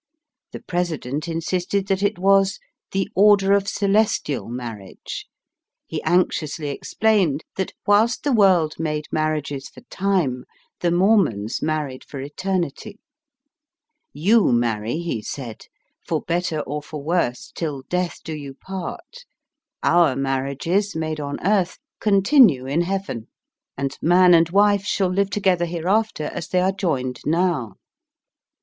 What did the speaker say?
The President insisted that it was ^^ the order of celestial marriage." He anxiously ex plained that, whilst the world made marriages for time, the Mormons married for eternity. You marry," he said, *^ for better or for worse, till death do you part. Our marriages, made on earth, continue in heaven, and man Digitized by VjOOQIC 112 EAST BY WEST. and wife shall live together hereafter as they are joined now."